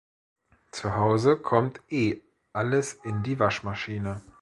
Zu Hause kommt eh alles in die Waschmaschine.